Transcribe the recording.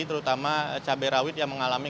terutama cabai rawit yang mengalami